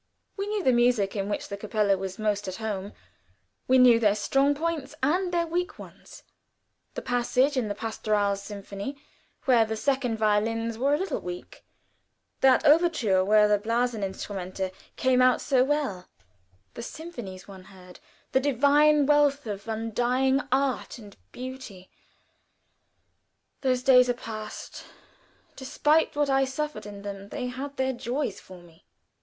We knew the music in which the Kapelle was most at home; we knew their strong points and their weak ones; the passage in the Pastoral Symphony where the second violins were a little weak; that overture where the blaseninstrumente came out so well the symphonies one heard the divine wealth of undying art and beauty! Those days are past: despite what I suffered in them they had their joys for me.